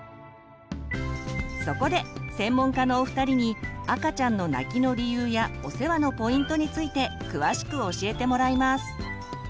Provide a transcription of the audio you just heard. そこで専門家のお二人に赤ちゃんの泣きの理由やお世話のポイントについて詳しく教えてもらいます。